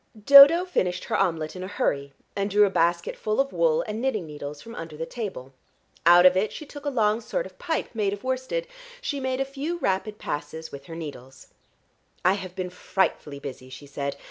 Dodo finished her omelette in a hurry, and drew a basket full of wool and knitting needles from under the table. Out of it she took a long sort of pipe made of worsted. She made a few rapid passes with her needles. "I have been frightfully busy," she said.